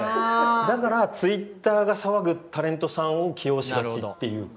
だからＴｗｉｔｔｅｒが騒ぐタレントさんを起用しがちっていうか。